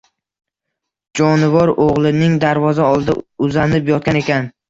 Jonivor o`g`lining darvoza olida uzanib yotgan ekan